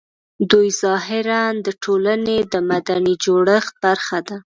دوی ظاهراً د ټولنې د مدني جوړښت برخه ده